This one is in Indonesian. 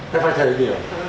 perlu diperbaiki ya